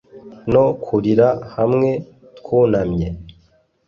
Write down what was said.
no kurira hamwe, twunamye